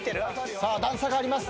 段差があります。